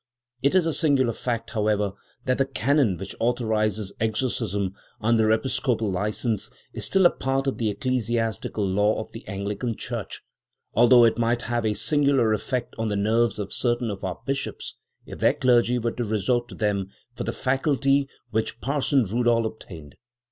It is a singular fact, however, that the canon which authorises exorcism under episcopal licence is still a part of the ecclesiastical law of the Anglican Church, although it might have a singular effect on the nerves of certain of our bishops if their clergy were to resort to them for the faculty which Parson Rudall obtained.